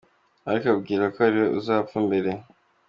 Ariko abwirwa ko ariwe uzapfa mbere.